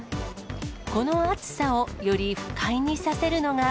この暑さをより不快にさせるのが。